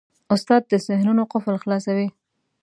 استاد د ذهنونو قفل خلاصوي.